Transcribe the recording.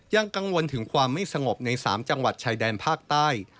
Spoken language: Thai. ยังกังวลถึงความไม่สงบใน๓จังหวัดชายแดนภาคใต้